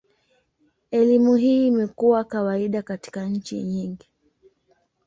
Elimu hii imekuwa kawaida katika nchi nyingi.